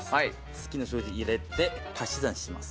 好きな数字入れて足し算します。